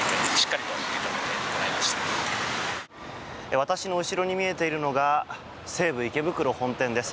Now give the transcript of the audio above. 私の後ろに見えているのが西武池袋本店です。